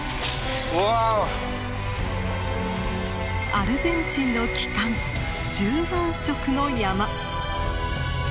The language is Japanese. アルゼンチンの奇観１４色の山。